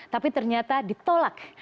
tapi ternyata ditolak